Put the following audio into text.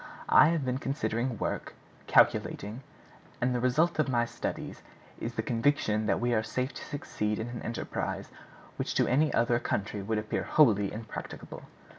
I have been considering, working, calculating; and the result of my studies is the conviction that we are safe to succeed in an enterprise which to any other country would appear wholly impracticable.